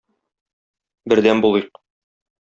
Бердәм булыйк!